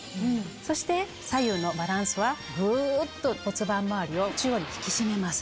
そして左右のバランスはグっと骨盤周りを中央に引き締めます。